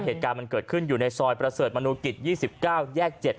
เหตุการณ์มันเกิดขึ้นอยู่ในซอยประเสริฐมนุกิจ๒๙แยก๗